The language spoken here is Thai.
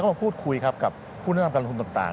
แล้วก็พูดคุยกับผู้แนะนำการลงทุนต่าง